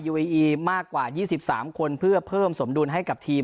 ยูเอียีมากกว่ายี่สิบสามคนเพื่อเพิ่มสมดุลให้กับทีม